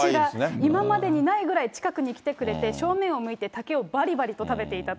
今までにないぐらい近くに来てくれて、正面を向いて竹をばりばりと食べていたと。